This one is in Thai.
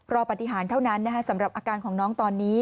ปฏิหารเท่านั้นสำหรับอาการของน้องตอนนี้